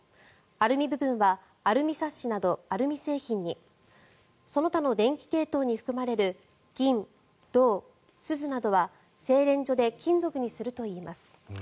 アルミ部分はアルミサッシなどアルミ製品にその他の電気系統に含まれる金、銅、すずなどは精錬所で金属にするといいます。